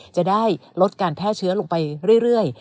จะได้ลดการแพร่เชื้อลงไปเรื่อย